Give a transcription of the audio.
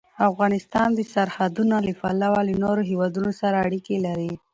افغانستان د سرحدونه له پلوه له نورو هېوادونو سره اړیکې لري.